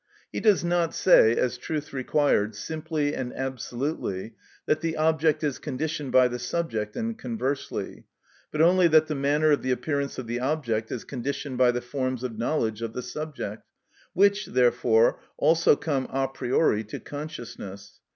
He does not say, as truth required, simply and absolutely that the object is conditioned by the subject, and conversely; but only that the manner of the appearance of the object is conditioned by the forms of knowledge of the subject, which, therefore, also come a priori to consciousness.